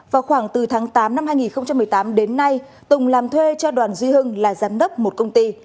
vào khoảng từ tháng tám năm hai nghìn một mươi tám đến nay tùng làm thuê cho đoàn duy hưng là giám đốc một công ty